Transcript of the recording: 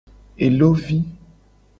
Elo vi.